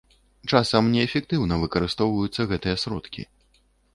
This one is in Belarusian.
Часам неэфектыўна выкарыстоўваюцца гэтыя сродкі.